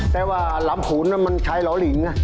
แต่ว่าลำขูนมันใช้เหล่าหลิงนะ